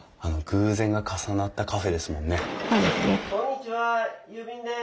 ・こんにちは郵便です！